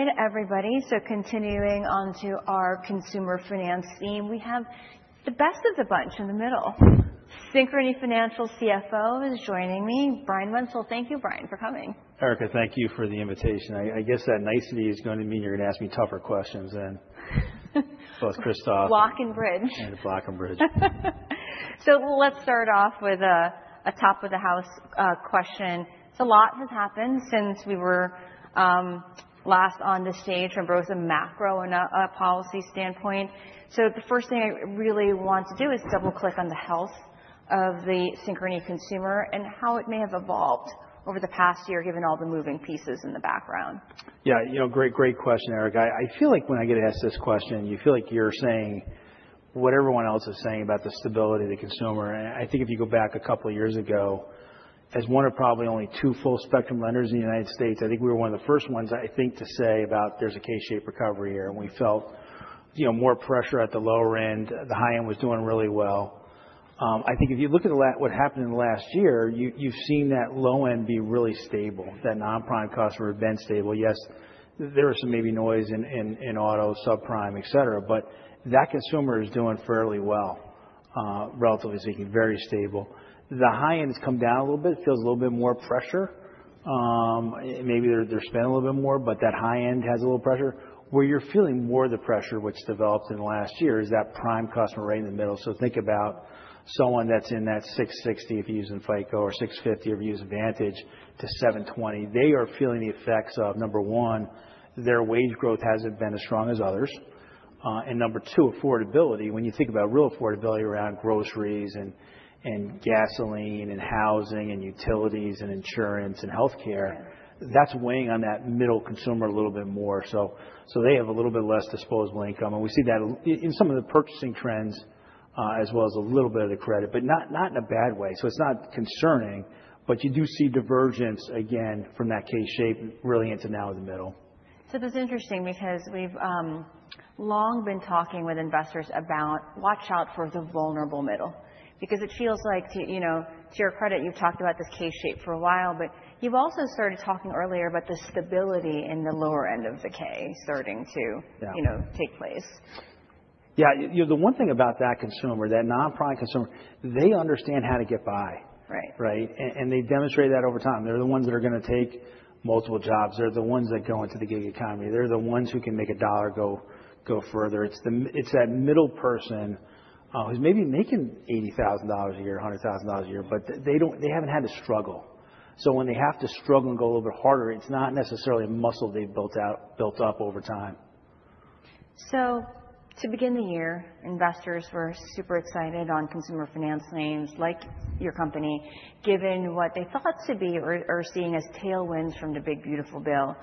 All right, everybody, so continuing onto our consumer finance theme, we have the best of the bunch in the middle. Synchrony Financial CFO is joining me. Brian Wenzel, thank you, Brian, for coming. Erica, thank you for the invitation. I guess that nicety is going to mean you're going to ask me tougher questions than both Christoph. Block and Bridge. And a Block and Bridge. Let's start off with a top-of-the-house question. A lot has happened since we were last on the stage from both a macro and a policy standpoint. The first thing I really want to do is double-click on the health of the Synchrony consumer and how it may have evolved over the past year, given all the moving pieces in the background. Yeah, great question, Erica. I feel like when I get asked this question, you feel like you're saying what everyone else is saying about the stability of the consumer. And I think if you go back a couple of years ago, as one of probably only two full-spectrum lenders in the United States, I think we were one of the first ones, I think, to say about there's a K-shaped recovery here. And we felt more pressure at the lower end. The high end was doing really well. I think if you look at what happened in the last year, you've seen that low end be really stable. That non-prime customer had been stable. Yes, there was some maybe noise in auto, subprime, etc. But that consumer is doing fairly well, relatively speaking, very stable. The high end has come down a little bit. It feels a little bit more pressure. Maybe they're spending a little bit more, but that high end has a little pressure. Where you're feeling more of the pressure, which developed in the last year, is that prime customer rate in the middle. So think about someone that's in that 660, if you're using FICO, or 650, or if you're using Vantage, to 720. They are feeling the effects of, number one, their wage growth hasn't been as strong as others. And number two, affordability. When you think about real affordability around groceries and gasoline and housing and utilities and insurance and healthcare, that's weighing on that middle consumer a little bit more. So they have a little bit less disposable income. And we see that in some of the purchasing trends, as well as a little bit of the credit, but not in a bad way. It's not concerning. You do see divergence, again, from that K-shape really into now in the middle. So this is interesting because we've long been talking with investors about watch out for the vulnerable middle because it feels like, to your credit, you've talked about this K-shape for a while, but you've also started talking earlier about the stability in the lower end of the K starting to take place. Yeah. The one thing about that consumer, that non-prime consumer, they understand how to get by, right? And they demonstrate that over time. They're the ones that are going to take multiple jobs. They're the ones that go into the gig economy. They're the ones who can make a dollar go further. It's that middle person who's maybe making $80,000 a year, $100,000 a year, but they haven't had to struggle. So when they have to struggle and go a little bit harder, it's not necessarily a muscle they've built up over time. So to begin the year, investors were super excited on consumer finance names like your company, given what they thought to be or are seeing as tailwinds from the big, beautiful bill.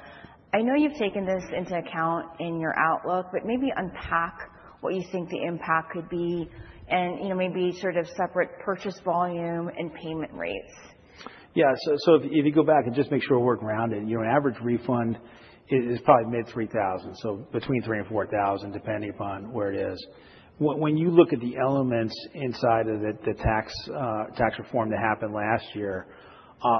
I know you've taken this into account in your outlook, but maybe unpack what you think the impact could be and maybe sort of separate purchase volume and payment rates. Yeah. So if you go back and just make sure we're working around it, an average refund is probably mid-$3,000, so between $3,000 and $4,000, depending upon where it is. When you look at the elements inside of the tax reform that happened last year,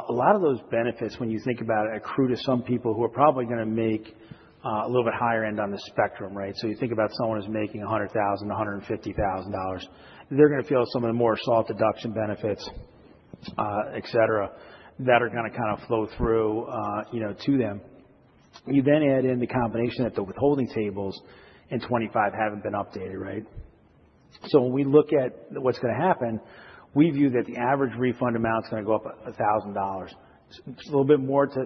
a lot of those benefits, when you think about it, accrue to some people who are probably going to make a little bit higher end on the spectrum, right? So you think about someone who's making $100,000, $150,000, they're going to feel some of the more soft deduction benefits, etc., that are going to kind of flow through to them. You then add in the combination that the withholding tables in 2025 haven't been updated, right? So when we look at what's going to happen, we view that the average refund amount is going to go up $1,000. It's a little bit more to,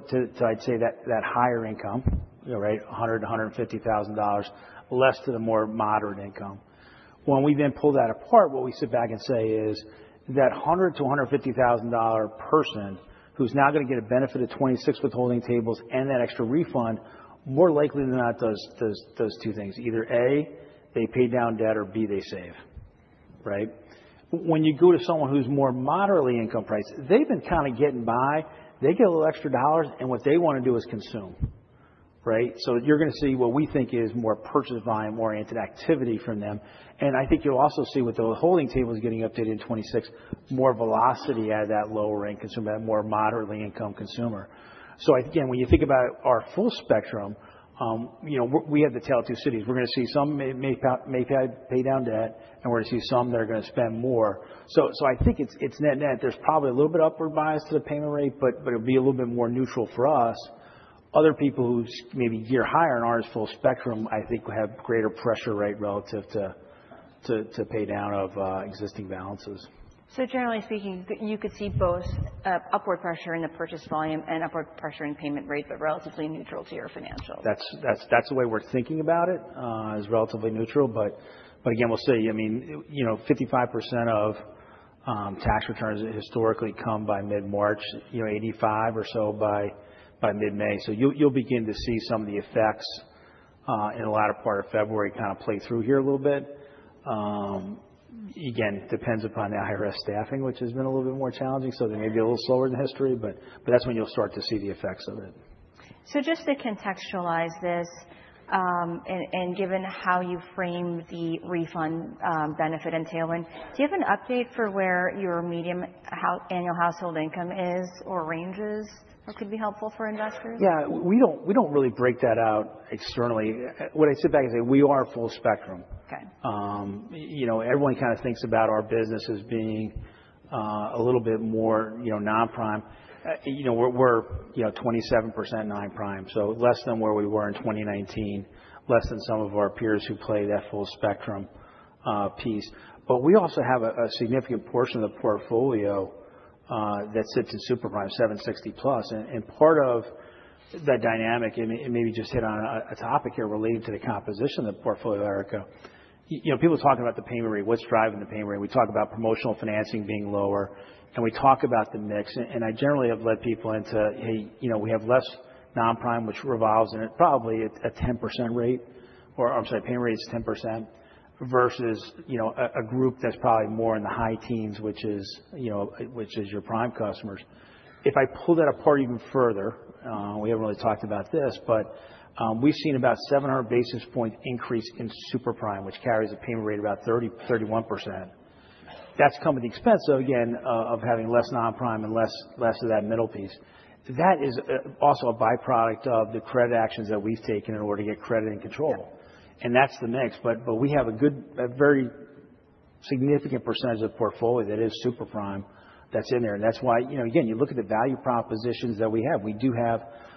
I'd say, that higher income, right? $100,000-$150,000, less to the more moderate income. When we then pull that apart, what we sit back and say is that $100,000-$150,000 person who's now going to get a benefit of 26 withholding tables and that extra refund, more likely than not, does two things. Either A, they pay down debt, or B, they save, right? When you go to someone who's more moderately income-priced, they've been kind of getting by. They get a little extra dollars, and what they want to do is consume, right? So you're going to see what we think is more purchase volume-oriented activity from them. And I think you'll also see with the withholding tables getting updated in 2026, more velocity at that lower end consumer, that more moderately income consumer. So again, when you think about our full spectrum, we have the tail to the top. We're going to see some may pay down debt, and we're going to see some that are going to spend more. So I think it's net-net. There's probably a little bit upward bias to the payment rate, but it'll be a little bit more neutral for us. Other people who may be geared higher in our full spectrum, I think, will have greater pressure, right, relative to pay down of existing balances. Generally speaking, you could see both upward pressure in the purchase volume and upward pressure in payment rate, but relatively neutral to your financials. That's the way we're thinking about it, is relatively neutral. But again, we'll see. I mean, 55% of tax returns historically come by mid-March, 85% or so by mid-May. So you'll begin to see some of the effects in a lot of part of February kind of play through here a little bit. Again, depends upon the higher-end staffing, which has been a little bit more challenging. So they may be a little slower than history, but that's when you'll start to see the effects of it. Just to contextualize this, and given how you frame the refund benefit and tailwind, do you have an update for where your median annual household income is or ranges or could be helpful for investors? Yeah. We don't really break that out externally. What I sit back and say, we are full spectrum. Everyone kind of thinks about our business as being a little bit more non-prime. We're 27% non-prime, so less than where we were in 2019, less than some of our peers who play that full spectrum piece. But we also have a significant portion of the portfolio that sits in superprime, 760+. And part of that dynamic, it maybe just hit on a topic here related to the composition of the portfolio, Erica. People talking about the payment rate, what's driving the payment rate. We talk about promotional financing being lower, and we talk about the mix. I generally have led people into, "Hey, we have less Non-Prime," which revolves in probably a 10% rate or, I'm sorry, payment rate is 10% versus a group that's probably more in the high teens, which is your Prime customers. If I pull that apart even further we haven't really talked about this, but we've seen about 700 basis points increase in Superprime, which carries a payment rate of about 31%. That's come at the expense of, again, of having less Non-Prime and less of that middle piece. That is also a byproduct of the credit actions that we've taken in order to get credit in control. And that's the mix. But we have a very significant percentage of the portfolio that is Superprime that's in there. And that's why, again, you look at the value propositions that we have. We do have top-of-wallet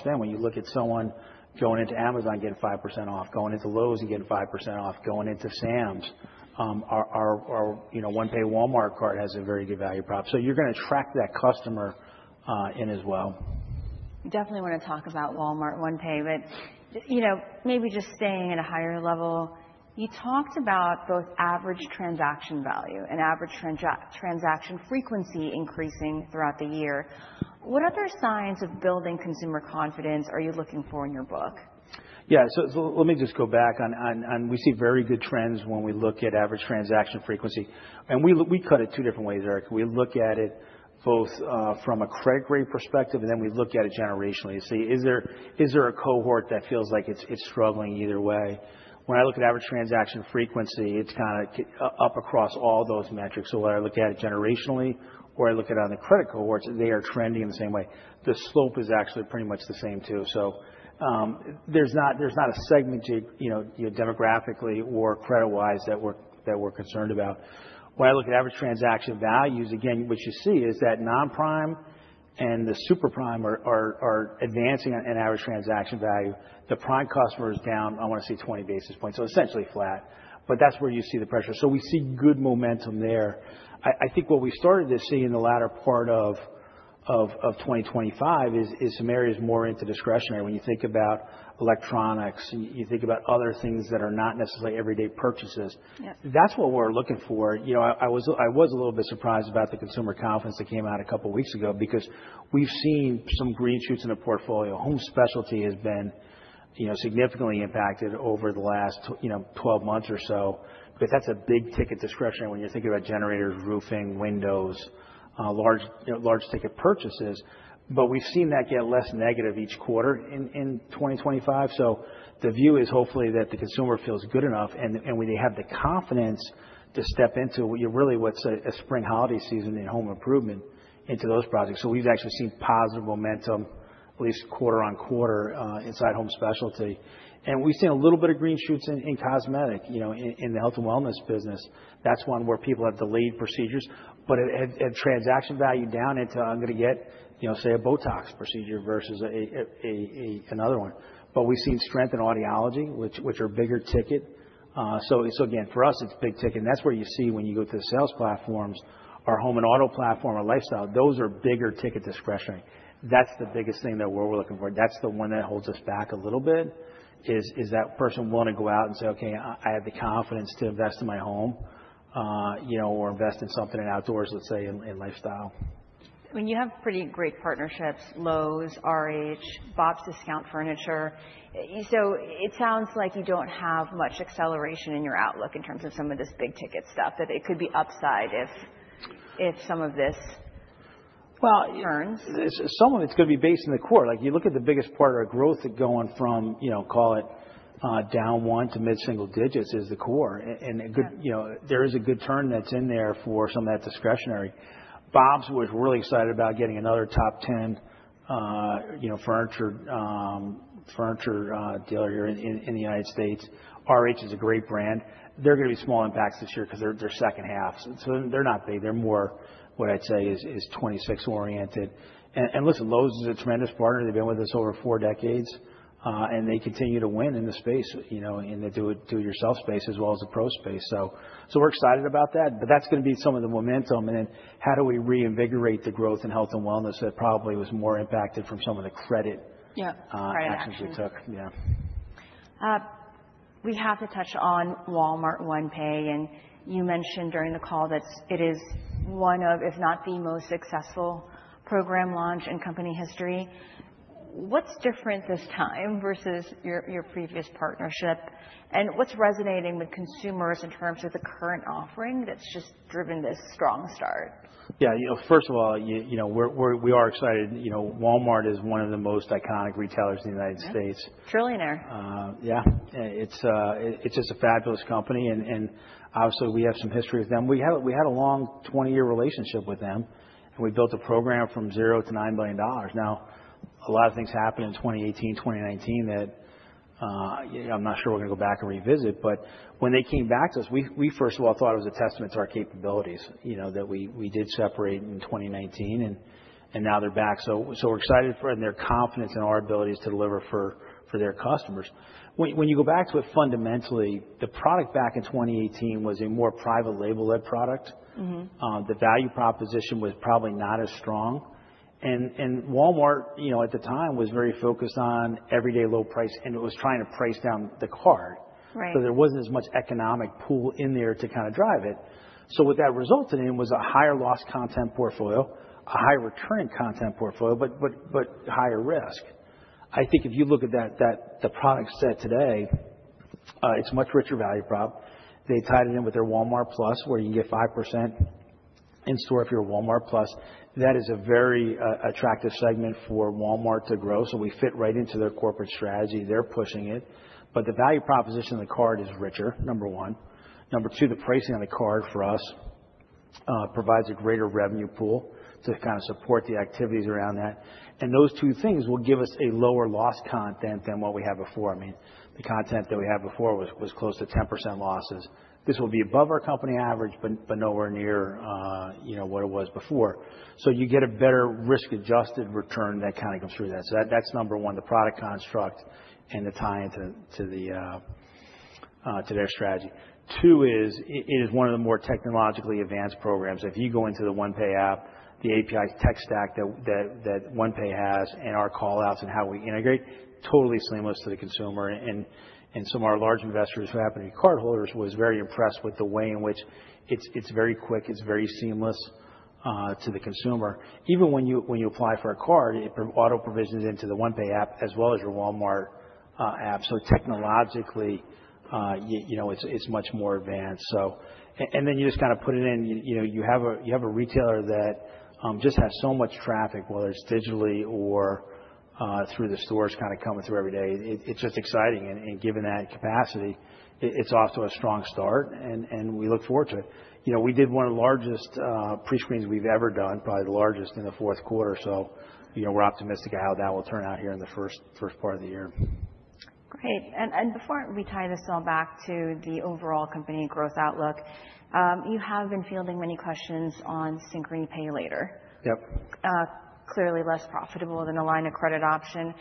spend. When you look at someone going into Amazon, getting 5% off, going into Lowe's, and getting 5% off, going into Sam's, our OnePay Walmart card has a very good value prop. So you're going to attract that customer in as well. Definitely want to talk about Walmart, OnePay, but maybe just staying at a higher level. You talked about both average transaction value and average transaction frequency increasing throughout the year. What other signs of building consumer confidence are you looking for in your book? Yeah. So let me just go back. We see very good trends when we look at average transaction frequency. We cut it two different ways, Erica. We look at it both from a credit grade perspective, and then we look at it generationally. Say, is there a cohort that feels like it's struggling either way? When I look at average transaction frequency, it's kind of up across all those metrics. So whether I look at it generationally or I look at it on the credit cohorts, they are trending in the same way. The slope is actually pretty much the same too. So there's not a segment demographically or credit-wise that we're concerned about. When I look at average transaction values, again, what you see is that Non-Prime and the Superprime are advancing in average transaction value. The prime customer is down, I want to say, 20 basis points. So essentially flat. But that's where you see the pressure. So we see good momentum there. I think what we started to see in the latter part of 2025 is some areas more into discretionary. When you think about electronics, you think about other things that are not necessarily everyday purchases. That's what we're looking for. I was a little bit surprised about the consumer confidence that came out a couple of weeks ago because we've seen some green shoots in the portfolio. Home specialty has been significantly impacted over the last 12 months or so because that's a big ticket discretionary when you're thinking about generators, roofing, windows, large-ticket purchases. But we've seen that get less negative each quarter in 2025. So the view is hopefully that the consumer feels good enough and they have the confidence to step into really what's a spring holiday season in home improvement into those projects. So we've actually seen positive momentum, at least quarter-over-quarter, inside home specialty. And we've seen a little bit of green shoots in cosmetic, in the health and wellness business. That's one where people have delayed procedures but had transaction value down into, "I'm going to get, say, a Botox procedure versus another one". But we've seen strength in audiology, which are bigger ticket. So again, for us, it's big ticket. And that's where you see when you go to the sales platforms, our home and auto platform, our lifestyle, those are bigger ticket discretionary. That's the biggest thing that we're looking for. That's the one that holds us back a little bit is that person willing to go out and say, "Okay, I have the confidence to invest in my home or invest in something outdoors, let's say, in lifestyle. I mean, you have pretty great partnerships, Lowe's, RH, Bob's Discount Furniture. So it sounds like you don't have much acceleration in your outlook in terms of some of this big-ticket stuff, that it could be upside if some of this turns. Well, some of it's going to be based in the core. You look at the biggest part of our growth going from, call it, down 1 to mid-single digits is the core. And there is a good turn that's in there for some of that discretionary. Bob's was really excited about getting another top 10 furniture dealer here in the United States. RH is a great brand. There are going to be small impacts this year because they're second half. So they're not big. They're more, what I'd say, is 2026-oriented. And listen, Lowe's is a tremendous partner. They've been with us over four decades. And they continue to win in the space, in the do-it-yourself space as well as the pro space. So we're excited about that. But that's going to be some of the momentum. And then how do we reinvigorate the growth in health and wellness that probably was more impacted from some of the credit actions we took? Yeah. We have to touch on Walmart, OnePay. And you mentioned during the call that it is one of, if not the most successful program launch in company history. What's different this time versus your previous partnership? And what's resonating with consumers in terms of the current offering that's just driven this strong start? Yeah. First of all, we are excited. Walmart is one of the most iconic retailers in the United States. Trillionaire. Yeah. It's just a fabulous company. Obviously, we have some history with them. We had a long 20-year relationship with them. We built a program from 0 to $9 billion. Now, a lot of things happened in 2018, 2019 that I'm not sure we're going to go back and revisit. But when they came back to us, we, first of all, thought it was a testament to our capabilities that we did separate in 2019. Now they're back. So we're excited, and they're confident in our abilities to deliver for their customers. When you go back to it fundamentally, the product back in 2018 was a more private label-led product. The value proposition was probably not as strong. Walmart, at the time, was very focused on everyday low price. It was trying to price down the card. So there wasn't as much economic pool in there to kind of drive it. So what that resulted in was a higher loss content portfolio, a higher return content portfolio, but higher risk. I think if you look at the product set today, it's a much richer value prop. They tied it in with their Walmart+, where you can get 5% in-store if you're a Walmart+. That is a very attractive segment for Walmart to grow. So we fit right into their corporate strategy. They're pushing it. But the value proposition of the card is richer, number one. Number two, the pricing on the card for us provides a greater revenue pool to kind of support the activities around that. And those two things will give us a lower loss content than what we had before. I mean, the content that we had before was close to 10% losses. This will be above our company average, but nowhere near what it was before. So you get a better risk-adjusted return that kind of comes through that. So that's number one, the product construct and the tie-in to their strategy. Two is it is one of the more technologically advanced programs. If you go into the OnePay app, the API tech stack that OnePay has and our callouts and how we integrate, totally seamless to the consumer. And some of our large investors who happen to be cardholders were very impressed with the way in which it's very quick. It's very seamless to the consumer. Even when you apply for a card, it auto-provisions into the OnePay app as well as your Walmart app. So technologically, it's much more advanced. And then you just kind of put it in. You have a retailer that just has so much traffic, whether it's digitally or through the stores, kind of coming through every day. It's just exciting. And given that capacity, it's off to a strong start. And we look forward to it. We did one of the largest prescreens we've ever done, probably the largest in the fourth quarter. So we're optimistic about how that will turn out here in the first part of the year. Great. And before we tie this all back to the overall company growth outlook, you have been fielding many questions on Synchrony Pay Later. Clearly less profitable than a line of credit option.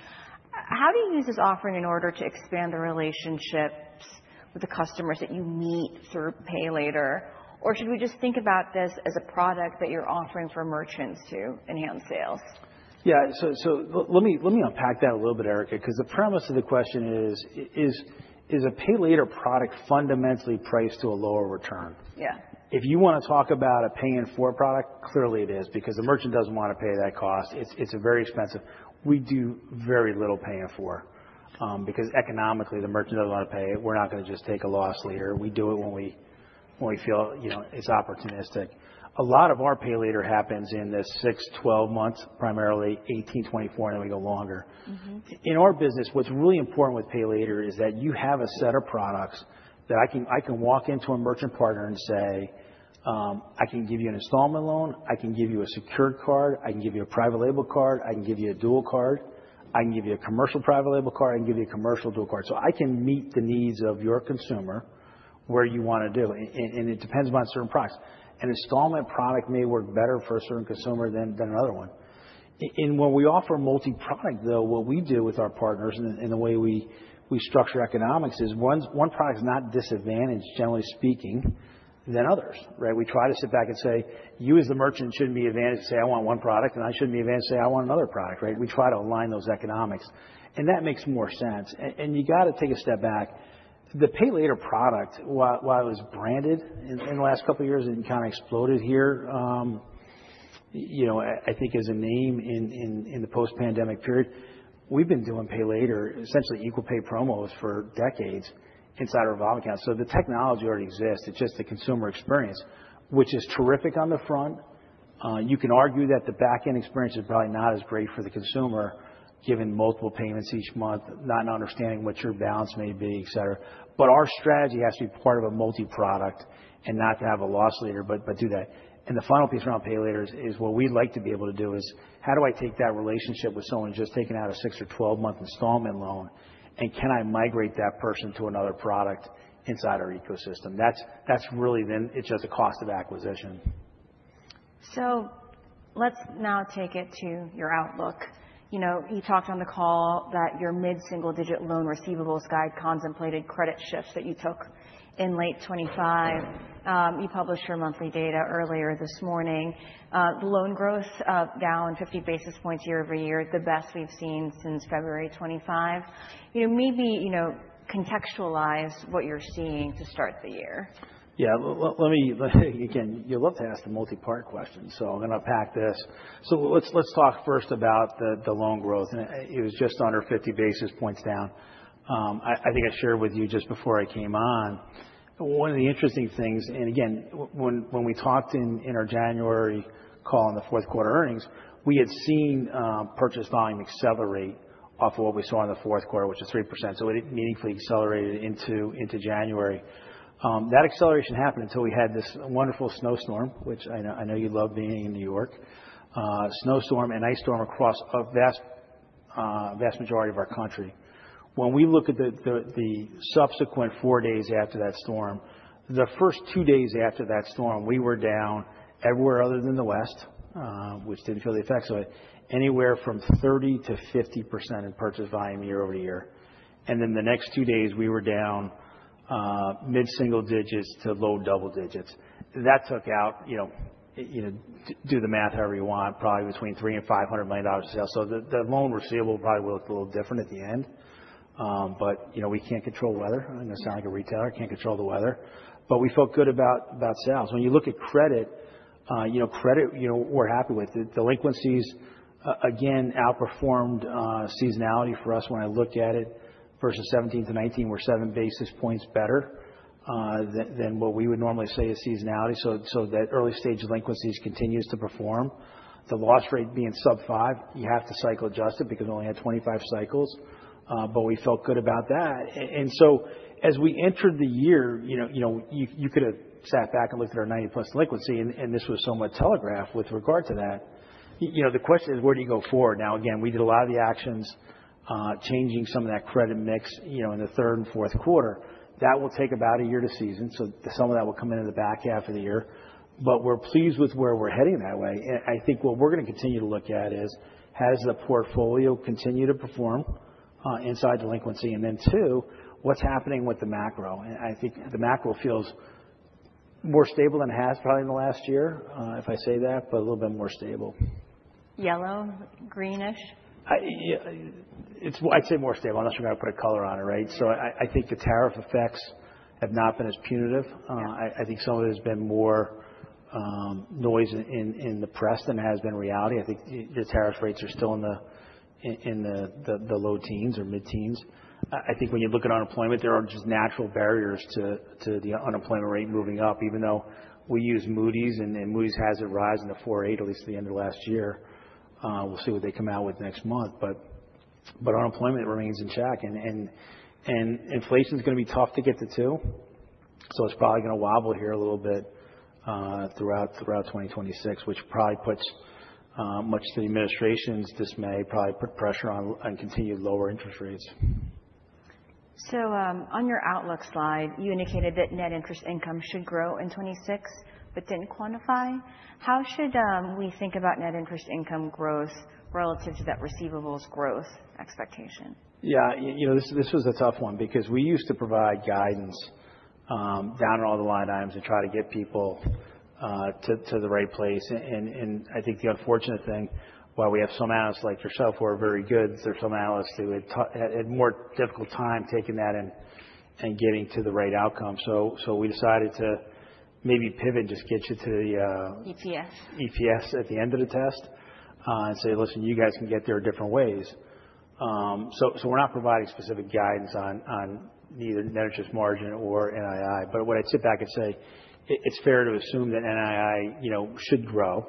How do you use this offering in order to expand the relationships with the customers that you meet through Pay Later? Or should we just think about this as a product that you're offering for merchants to enhance sales? Yeah. So let me unpack that a little bit, Erica, because the premise of the question is, is a pay later product fundamentally priced to a lower return? If you want to talk about a pay-in-four product, clearly it is because the merchant doesn't want to pay that cost. It's very expensive. We do very little pay-in-four because economically, the merchant doesn't want to pay it. We're not going to just take a loss later. We do it when we feel it's opportunistic. A lot of our pay later happens in the 6, 12 months, primarily 18, 24, and then we go longer. In our business, what's really important with pay later is that you have a set of products that I can walk into a merchant partner and say, "I can give you an installment loan. I can give you a secured card. I can give you a private label card. I can give you a dual card. I can give you a commercial private label card. I can give you a commercial dual card." So I can meet the needs of your consumer where you want to do. And it depends upon certain products. An installment product may work better for a certain consumer than another one. And when we offer a multi-product, though, what we do with our partners and the way we structure economics is one product's not disadvantaged, generally speaking, than others, right? We try to sit back and say, "You, as the merchant, shouldn't be advantaged to say, 'I want one product,' and I shouldn't be advantaged to say, 'I want another product,' right?" We try to align those economics. And that makes more sense. And you got to take a step back. The Pay Later product, while it was branded in the last couple of years and kind of exploded here, I think, as a name in the post-pandemic period, we've been doing Pay Later, essentially equal pay promos for decades inside our revolving accounts. So the technology already exists. It's just the consumer experience, which is terrific on the front. You can argue that the back-end experience is probably not as great for the consumer given multiple payments each month, not understanding what your balance may be, etc. But our strategy has to be part of a multi-product and not to have a loss leader but do that. And the final piece around Pay Laters is what we'd like to be able to do is, how do I take that relationship with someone just taking out a 6- or 12-month installment loan? Can I migrate that person to another product inside our ecosystem? It's just a cost of acquisition. Let's now take it to your outlook. You talked on the call that your mid-single-digit loan receivables guide contemplated credit shifts that you took in late 2025. You published your monthly data earlier this morning. The loan growth down 50 basis points year-over-year, the best we've seen since February 2025. Maybe contextualize what you're seeing to start the year. Yeah. Again, you love to ask the multi-part questions. So I'm going to unpack this. So let's talk first about the loan growth. It was just under 50 basis points down. I think I shared with you just before I came on one of the interesting things. Again, when we talked in our January call on the fourth quarter earnings, we had seen purchase volume accelerate off of what we saw in the fourth quarter, which is 3%. So it meaningfully accelerated into January. That acceleration happened until we had this wonderful snowstorm, which I know you love being in New York, snowstorm and ice storm across a vast majority of our country. When we look at the subsequent 4 days after that storm, the first 2 days after that storm, we were down everywhere other than the west, which didn't feel the effects of it, anywhere from 30%-50% in purchase volume year-over-year. Then the next 2 days, we were down mid-single digits to low double digits. That took out, do the math however you want, probably between $300 million and $500 million of sales. So the loan receivable probably will look a little different at the end. But we can't control weather. I'm going to sound like a retailer. Can't control the weather. But we felt good about sales. When you look at credit, credit, we're happy with it. Delinquencies, again, outperformed seasonality for us when I look at it versus 2017-2019, were 7 basis points better than what we would normally say is seasonality. So that early-stage delinquencies continues to perform. The loss rate being sub-5, you have to cycle adjust it because we only had 25 cycles. But we felt good about that. And so as we entered the year, you could have sat back and looked at our 90+ delinquency. And this was somewhat telegraphed with regard to that. The question is, where do you go forward? Now, again, we did a lot of the actions changing some of that credit mix in the third and fourth quarter. That will take about a year to season. So some of that will come in in the back half of the year. But we're pleased with where we're heading that way. I think what we're going to continue to look at is, has the portfolio continued to perform inside delinquency? And then too, what's happening with the macro? And I think the macro feels more stable than it has probably in the last year, if I say that, but a little bit more stable. Yellow, greenish? I'd say more stable. Unless you're going to put a color on it, right? So I think the tariff effects have not been as punitive. I think some of it has been more noise in the press than it has been reality. I think the tariff rates are still in the low teens or mid-teens. I think when you look at unemployment, there are just natural barriers to the unemployment rate moving up, even though we use Moody's. And Moody's hasn't risen to 4.8, at least to the end of last year. We'll see what they come out with next month. But unemployment remains in check. And inflation's going to be tough to get to too. So it's probably going to wobble here a little bit throughout 2026, which probably puts much of the administration's dismay, probably put pressure on continued lower interest rates. On your outlook slide, you indicated that net interest income should grow in 2026 but didn't quantify. How should we think about net interest income growth relative to that receivables growth expectation? Yeah. This was a tough one because we used to provide guidance down all the line items and try to get people to the right place. And I think the unfortunate thing, while we have some analysts like yourself who are very good, there's some analysts who had a more difficult time taking that and getting to the right outcome. So we decided to maybe pivot, just get you to the. EPS. EPS at the end of the test and say, "Listen, you guys can get there different ways." So we're not providing specific guidance on neither net interest margin or NII. But what I'd sit back and say, it's fair to assume that NII should grow,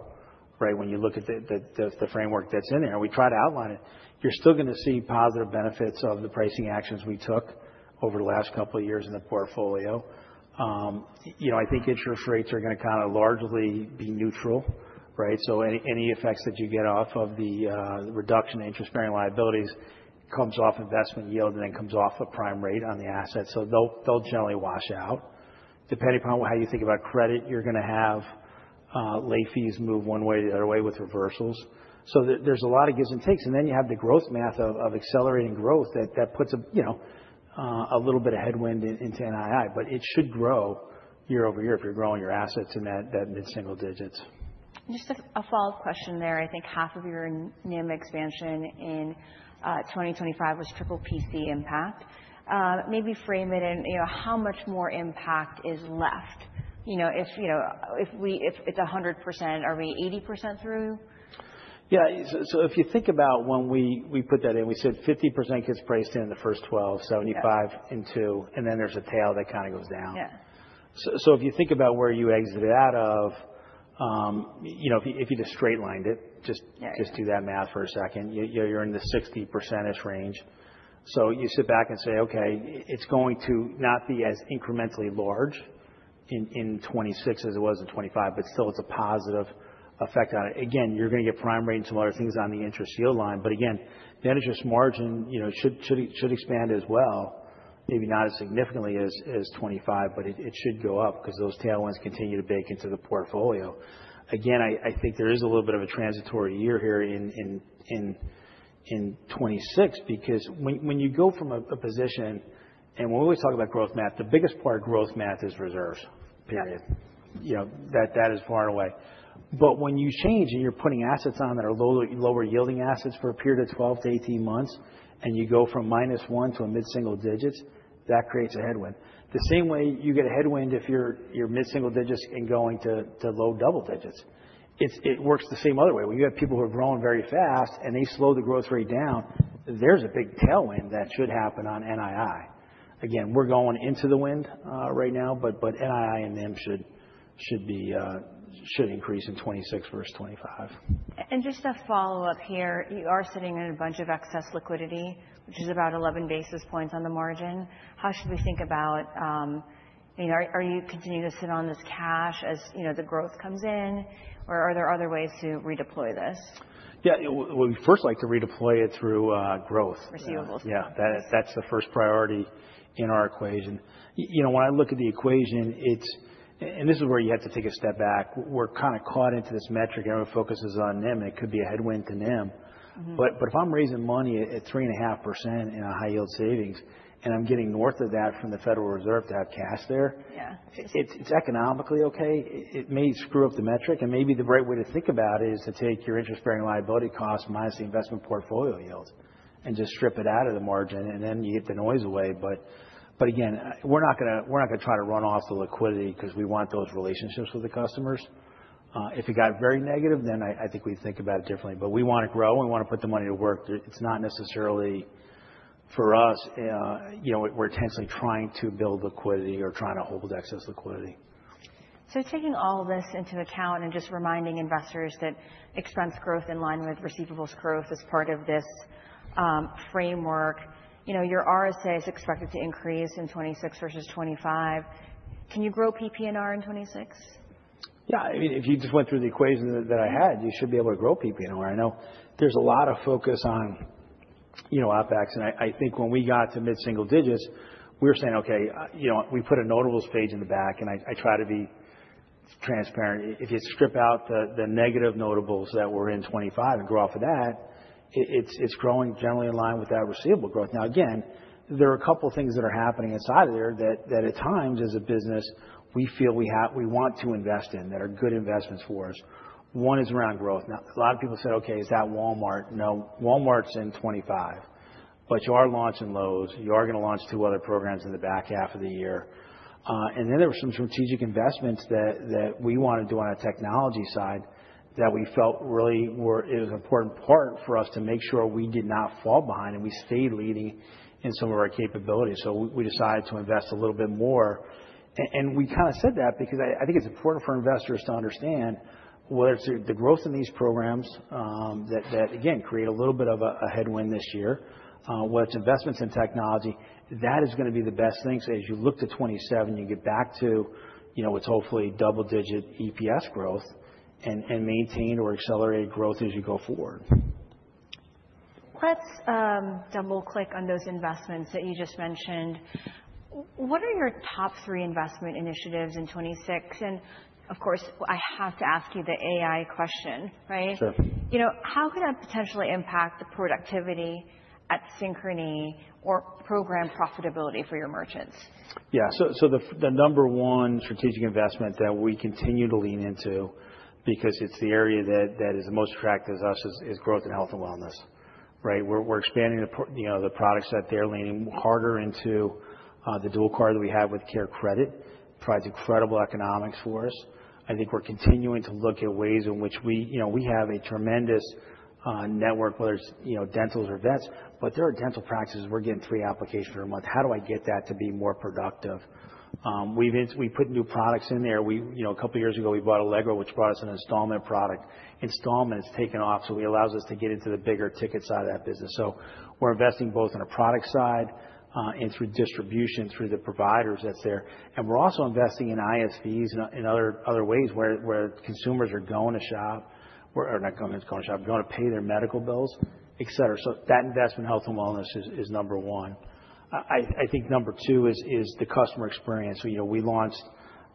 right, when you look at the framework that's in there. We try to outline it. You're still going to see positive benefits of the pricing actions we took over the last couple of years in the portfolio. I think interest rates are going to kind of largely be neutral, right? So any effects that you get off of the reduction in interest-bearing liabilities comes off investment yield and then comes off a prime rate on the asset. So they'll generally wash out. Depending upon how you think about credit, you're going to have late fees move one way or the other way with reversals. So there's a lot of gives and takes. And then you have the growth math of accelerating growth that puts a little bit of headwind into NII. But it should grow year-over-year if you're growing your assets in that mid-single digits. Just a follow-up question there. I think half of your NIM expansion in 2025 was 3PC impact. Maybe frame it in how much more impact is left if it's 100%? Are we 80% through? Yeah. So if you think about when we put that in, we said 50% gets priced in the first 12, 75% in 2, and then there's a tail that kind of goes down. So if you think about where you exited out of, if you just straight-lined it, just do that math for a second. You're in the 60% range. So you sit back and say, "Okay, it's going to not be as incrementally large in 2026 as it was in 2025, but still it's a positive effect on it." Again, you're going to get prime rate and some other things on the interest yield line. But again, net interest margin should expand as well, maybe not as significantly as 2025, but it should go up because those tailwinds continue to bake into the portfolio. Again, I think there is a little bit of a transitory year here in 2026 because when you go from a position and when we always talk about growth math, the biggest part of growth math is reserves, period. That is far away. But when you change and you're putting assets on that are lower yielding assets for a period of 12-18 months and you go from -1 to a mid-single digit, that creates a headwind. The same way you get a headwind if you're mid-single digits and going to low double digits. It works the same other way. When you have people who have grown very fast and they slow the growth rate down, there's a big tailwind that should happen on NII. Again, we're going into the wind right now, but NII and NIM should increase in 2026 versus 2025. Just a follow-up here. You are sitting in a bunch of excess liquidity, which is about 11 basis points on the margin. How should we think about are you continuing to sit on this cash as the growth comes in, or are there other ways to redeploy this? Yeah. We'd first like to redeploy it through growth. Receivables. Yeah. That's the first priority in our equation. When I look at the equation, and this is where you have to take a step back, we're kind of caught into this metric. Everyone focuses on NIM, and it could be a headwind to NIM. But if I'm raising money at 3.5% in a high-yield savings and I'm getting north of that from the Federal Reserve to have cash there, it's economically okay. It may screw up the metric. Maybe the right way to think about it is to take your interest-bearing liability costs minus the investment portfolio yields and just strip it out of the margin. Then you get the noise away. But again, we're not going to try to run off the liquidity because we want those relationships with the customers. If it got very negative, then I think we'd think about it differently. But we want to grow. We want to put the money to work. It's not necessarily for us. We're intensely trying to build liquidity or trying to hold excess liquidity. Taking all of this into account and just reminding investors that expense growth in line with receivables growth is part of this framework, your RSA is expected to increase in 2026 versus 2025. Can you grow PP&R in 2026? Yeah. I mean, if you just went through the equation that I had, you should be able to grow PP&R. I know there's a lot of focus on OPEX. And I think when we got to mid-single digits, we were saying, "Okay, we put a notables page in the back." And I try to be transparent. If you strip out the negative notables that were in 2025 and grow off of that, it's growing generally in line with that receivable growth. Now, again, there are a couple of things that are happening inside of there that at times, as a business, we feel we want to invest in that are good investments for us. One is around growth. Now, a lot of people said, "Okay, is that Walmart?" No. Walmart's in 2025. But you are launching Lowe's. You are going to launch 2 other programs in the back half of the year. And then there were some strategic investments that we wanted to do on our technology side that we felt really were an important part for us to make sure we did not fall behind and we stayed leading in some of our capabilities. So we decided to invest a little bit more. And we kind of said that because I think it's important for investors to understand whether it's the growth in these programs that, again, create a little bit of a headwind this year, whether it's investments in technology, that is going to be the best thing. So as you look to 2027, you get back to what's hopefully double-digit EPS growth and maintained or accelerated growth as you go forward. Let's double-click on those investments that you just mentioned. What are your top three investment initiatives in 2026? And of course, I have to ask you the AI question, right? Sure. How could that potentially impact the productivity at Synchrony or program profitability for your merchants? Yeah. So the number one strategic investment that we continue to lean into because it's the area that is the most attractive to us is growth and health and wellness, right? We're expanding the products that they're leaning harder into. The dual card that we have with CareCredit provides incredible economics for us. I think we're continuing to look at ways in which we have a tremendous network, whether it's dentals or vets, but there are dental practices. We're getting three applications per month. How do I get that to be more productive? We put new products in there. A couple of years ago, we bought Allegro, which brought us an installment product. Installment has taken off. So it allows us to get into the bigger ticket side of that business. So we're investing both on a product side and through distribution, through the providers that's there. We're also investing in ISVs and other ways where consumers are going to shop or not going to shop, going to pay their medical bills, etc. That investment in health and wellness is number one. I think number two is the customer experience. We launched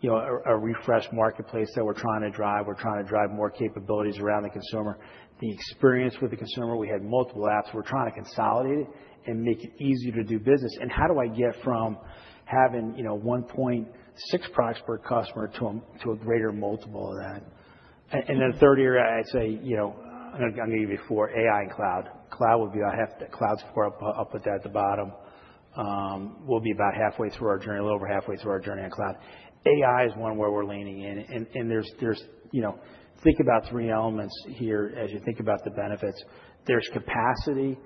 a refreshed marketplace that we're trying to drive. We're trying to drive more capabilities around the consumer. The experience with the consumer, we had multiple apps. We're trying to consolidate it and make it easier to do business. And how do I get from having 1.6 products per customer to a greater multiple of that? Then a third area, I'd say I'm going to give you four: AI and cloud. Cloud would be cloud support. I'll put that at the bottom. We'll be about halfway through our journey, a little over halfway through our journey on cloud. AI is one where we're leaning in. Think about three elements here as you think about the benefits. There's capacity,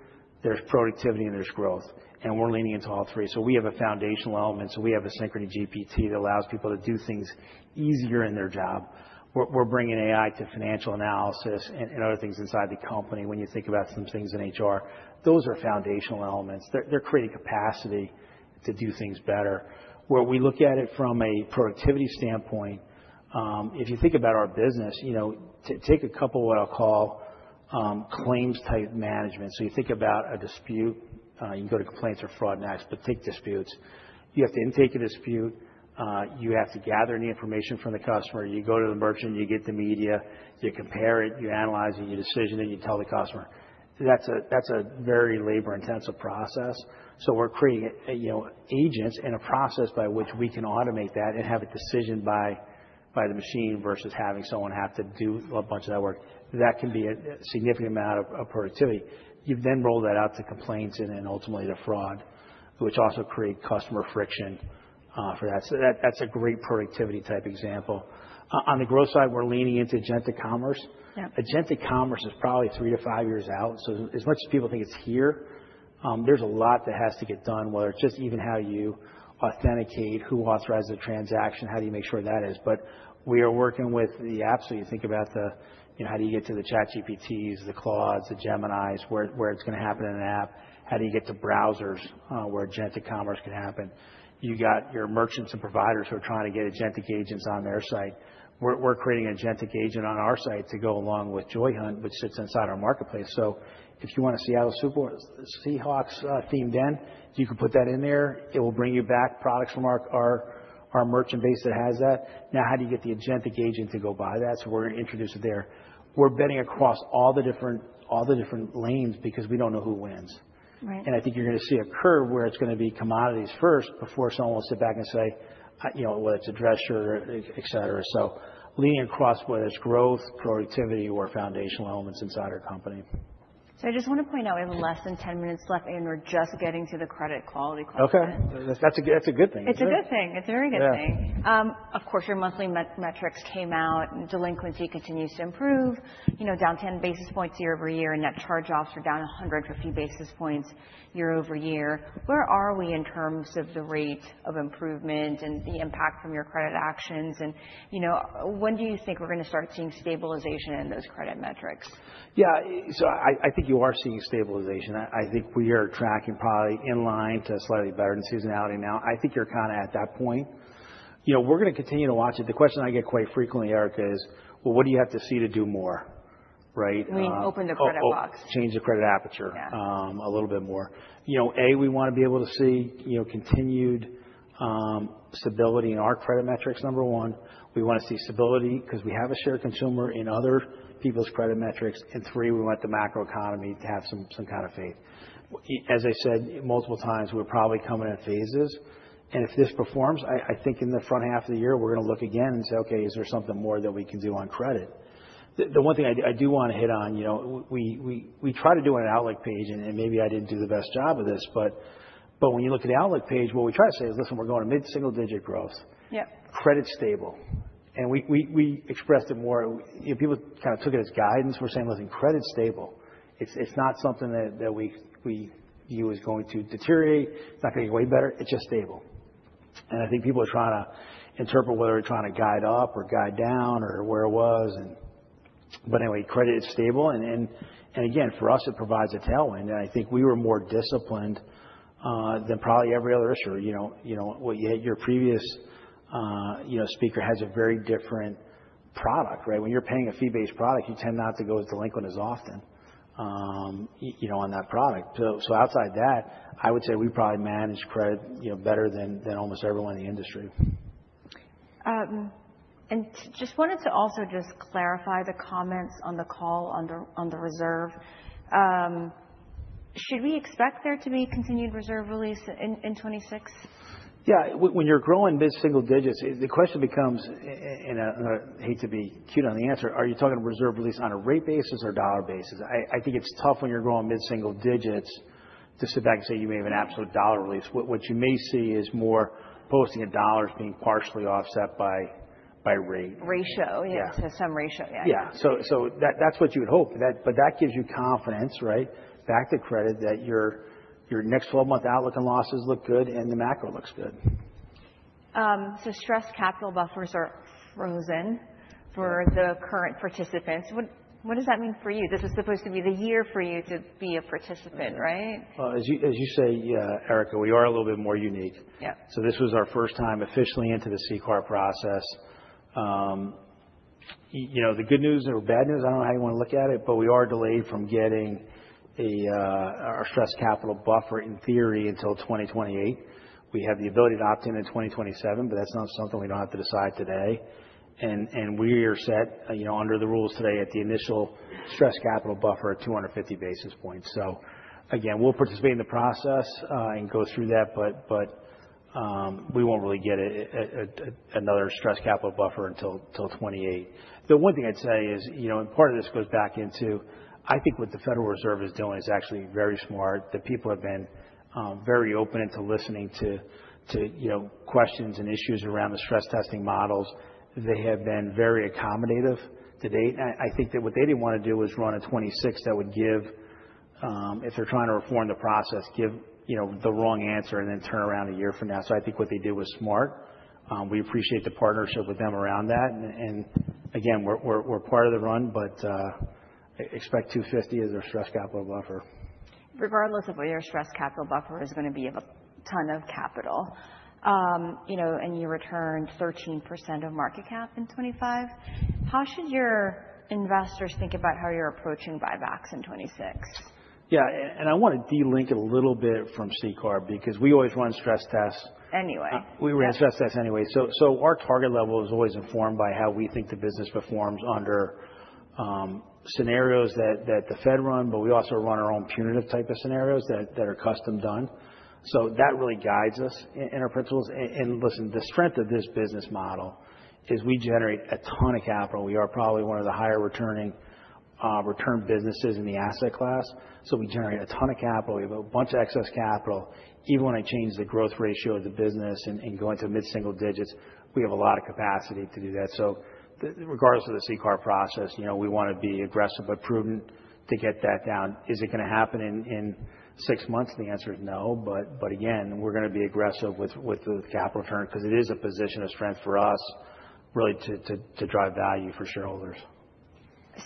there's productivity, and there's growth. We're leaning into all three. We have a foundational element. We have a Synchrony GPT that allows people to do things easier in their job. We're bringing AI to financial analysis and other things inside the company. When you think about some things in HR, those are foundational elements. They're creating capacity to do things better. Where we look at it from a productivity standpoint, if you think about our business, take a couple of what I'll call claims-type management. You think about a dispute. You have to intake a dispute. You have to gather any information from the customer. You go to the merchant. You get the media. You compare it. You analyze it. You decide it. And you tell the customer. That's a very labor-intensive process. So we're creating agents and a process by which we can automate that and have a decision by the machine versus having someone have to do a bunch of that work. That can be a significant amount of productivity. You then roll that out to complaints and ultimately to fraud, which also create customer friction for that. So that's a great productivity-type example. On the growth side, we're leaning into agentic commerce. Agentic commerce is probably three-five years out. So as much as people think it's here, there's a lot that has to get done, whether it's just even how you authenticate, who authorizes the transaction, how do you make sure that is? But we are working with the apps. So you think about how do you get to the ChatGPTs, the Claudes, the Geminis where it's going to happen in an app? How do you get to browsers where agentic commerce can happen? You got your merchants and providers who are trying to get agentic agents on their site. We're creating an agentic agent on our site to go along with Joy, which sits inside our marketplace. So if you want to see Seahawks themed in, you can put that in there. It will bring you back products from our merchant base that has that. Now, how do you get the agentic agent to go buy that? So we're going to introduce it there. We're betting across all the different lanes because we don't know who wins. I think you're going to see a curve where it's going to be commodities first before someone will sit back and say, "Well, it's a dress shirt," etc. So leaning across whether it's growth, productivity, or foundational elements inside our company. I just want to point out we have less than 10 minutes left, and we're just getting to the credit quality question. Okay. That's a good thing. It's a good thing. It's a very good thing. Of course, your monthly metrics came out, and delinquency continues to improve, down 10 basis points year-over-year, and net charge-offs are down 100 or a few basis points year-over-year. Where are we in terms of the rate of improvement and the impact from your credit actions? And when do you think we're going to start seeing stabilization in those credit metrics? Yeah. So I think you are seeing stabilization. I think we are tracking probably in line to slightly better in seasonality now. I think you're kind of at that point. We're going to continue to watch it. The question I get quite frequently, Erica, is, "Well, what do you have to see to do more, right? I mean, open the credit box. Change the credit appetite a little bit more. A, we want to be able to see continued stability in our credit metrics, number one. We want to see stability because we have a shared consumer in other people's credit metrics. And three, we want the macroeconomy to have some kind of faith. As I said multiple times, we're probably coming at phases. And if this performs, I think in the front half of the year, we're going to look again and say, "Okay, is there something more that we can do on credit?" The one thing I do want to hit on, we try to do on an outlook page, and maybe I didn't do the best job of this. But when you look at the outlook page, what we try to say is, "Listen, we're going to mid-single digit growth. Credit stable." And we expressed it more. People kind of took it as guidance. We're saying, "Listen, credit stable. It's not something that we view as going to deteriorate. It's not going to get way better. It's just stable." And I think people are trying to interpret whether they're trying to guide up or guide down or where it was. But anyway, credit, it's stable. And again, for us, it provides a tailwind. And I think we were more disciplined than probably every other issuer. Your previous speaker has a very different product, right? When you're paying a fee-based product, you tend not to go as delinquent as often on that product. So outside that, I would say we probably manage credit better than almost everyone in the industry. Just wanted to also just clarify the comments on the call on the reserve. Should we expect there to be continued reserve release in 2026? Yeah. When you're growing mid-single digits, the question becomes, and I hate to be cute on the answer, are you talking reserve release on a rate basis or dollar basis? I think it's tough when you're growing mid-single digits to sit back and say you may have an absolute dollar release. What you may see is more posting in dollars being partially offset by rate. Ratio. Yeah. To some ratio. Yeah. Yeah. So that's what you would hope. But that gives you confidence, right, back to credit, that your next 12-month outlook and losses look good and the macro looks good. So Stress Capital Buffers are frozen for the current participants. What does that mean for you? This is supposed to be the year for you to be a participant, right? Well, as you say, Erica, we are a little bit more unique. So this was our first time officially into the CCAR process. The good news or bad news, I don't know how you want to look at it, but we are delayed from getting our Stress Capital Buffer, in theory, until 2028. We have the ability to opt in in 2027, but that's not something we don't have to decide today. And we are set under the rules today at the initial Stress Capital Buffer at 250 basis points. So again, we'll participate in the process and go through that, but we won't really get another Stress Capital Buffer until 2028. The one thing I'd say is, and part of this goes back into, I think what the Federal Reserve is doing is actually very smart. The people have been very open to listening to questions and issues around the stress-testing models. They have been very accommodative to date. I think that what they didn't want to do was run a 2026 that would give, if they're trying to reform the process, the wrong answer and then turn around a year from now. So I think what they did was smart. We appreciate the partnership with them around that. And again, we're part of the run, but expect 250 as their Stress Capital Buffer. Regardless of what your Stress Capital Buffer is going to be of a ton of capital, and you returned 13% of market cap in 2025, how should your investors think about how you're approaching buybacks in 2026? Yeah. And I want to delink it a little bit from C-Corp because we always run stress tests. Anyway. We ran stress tests anyway. So our target level is always informed by how we think the business performs under scenarios that the Fed run, but we also run our own punitive type of scenarios that are custom done. So that really guides us in our principles. And listen, the strength of this business model is we generate a ton of capital. We are probably one of the higher-returning return businesses in the asset class. So we generate a ton of capital. We have a bunch of excess capital. Even when I change the growth ratio of the business and go into mid-single digits, we have a lot of capacity to do that. So regardless of the C-Corp process, we want to be aggressive but prudent to get that down. Is it going to happen in six months? The answer is no. But again, we're going to be aggressive with the capital return because it is a position of strength for us, really, to drive value for shareholders.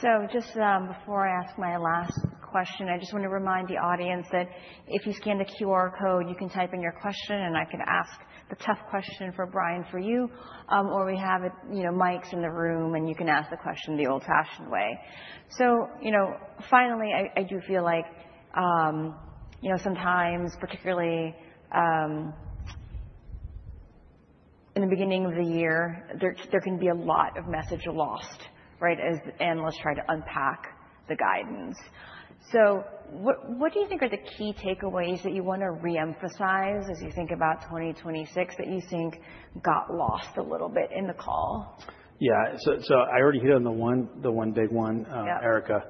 So just before I ask my last question, I just want to remind the audience that if you scan the QR code, you can type in your question, and I can ask the tough question for Brian for you, or we have mics in the room, and you can ask the question the old-fashioned way. So finally, I do feel like sometimes, particularly in the beginning of the year, there can be a lot of messages lost, right, as analysts try to unpack the guidance. So what do you think are the key takeaways that you want to reemphasize as you think about 2026 that you think got lost a little bit in the call? Yeah. So I already hit on the one big one, Erica.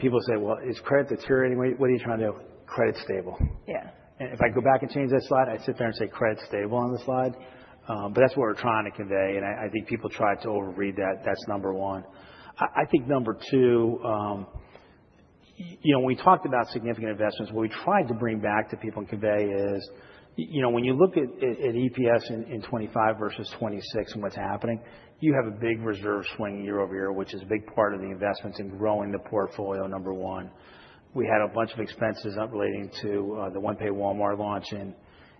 People say, "Well, is credit deteriorating? What are you trying to do? Credit stable." And if I go back and change that slide, I sit there and say credit stable on the slide. But that's what we're trying to convey. And I think people try to overread that. That's number one. I think number two, when we talked about significant investments, what we tried to bring back to people and convey is when you look at EPS in 2025 versus 2026 and what's happening, you have a big reserve swing year-over-year, which is a big part of the investments in growing the portfolio, number one. We had a bunch of expenses relating to the OnePay Walmart launch in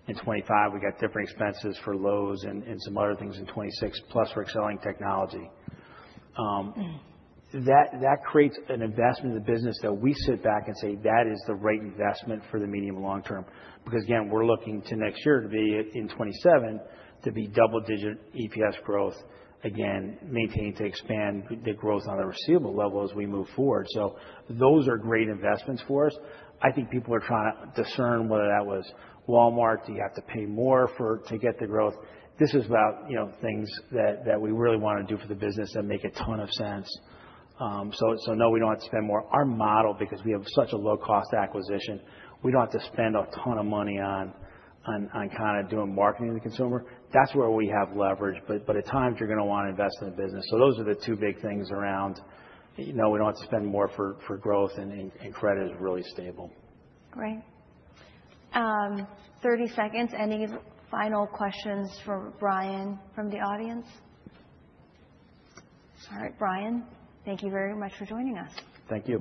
2025. We got different expenses for Lowe's and some other things in 2026, plus we're excelling technology. That creates an investment in the business that we sit back and say that is the right investment for the medium and long term. Because again, we're looking to next year, in 2027, to be double-digit EPS growth, again, maintain to expand the growth on the receivable level as we move forward. So those are great investments for us. I think people are trying to discern whether that was Walmart, do you have to pay more to get the growth? This is about things that we really want to do for the business that make a ton of sense. So no, we don't have to spend more. Our model, because we have such a low-cost acquisition, we don't have to spend a ton of money on kind of doing marketing to the consumer. That's where we have leverage. But at times, you're going to want to invest in the business. Those are the two big things around we don't have to spend more for growth, and credit is really stable. Great. 30 seconds. Any final questions for Brian from the audience? All right. Brian, thank you very much for joining us. Thank you.